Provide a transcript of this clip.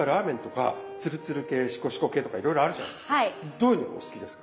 どういうのがお好きですか？